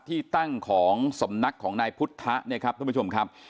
ที่ตั้งของสำนักของนายพุทธะเนี่ยครับทุกผู้ชมครับ